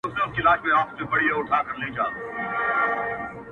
ټول عمر ښېرا کوه دا مه وايه،